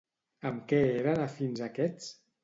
Amb què eren afins aquests?